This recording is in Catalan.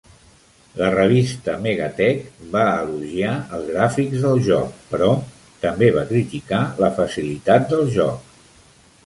La revista "MegaTech" va elogiar els gràfics del joc, però també va criticar la facilitat del joc.